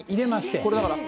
これだから。